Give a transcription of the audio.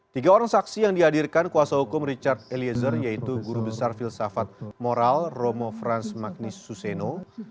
tiga orang saksi yang dihadirkan kuasa hukum richard eliezer yaitu guru besar filsafat moral romo franz magnis suseno